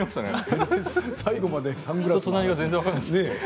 最後までサングラスだった。